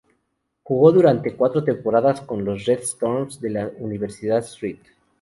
Jugó durante cuatro temporadas con los "Red Storm" de la Universidad St.